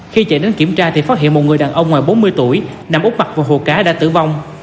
khi chạy đến kiểm tra thì phát hiện một người đàn ông ngoài bốn mươi tuổi nằm út mặt vào hồ cá đã tử vong